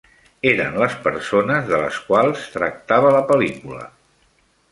Eren les persones de les quals tractava la pel·lícula.